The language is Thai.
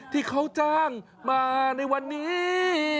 ที่เขาจ้างมาในวันนี้